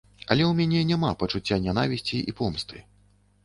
Але ў мяне няма пачуцця нянавісці і помсты.